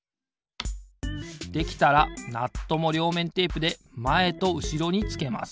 できたらナットもりょうめんテープでまえとうしろにつけます。